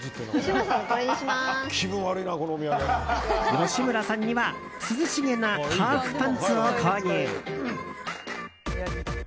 吉村さんには涼しげなハーフパンツを購入。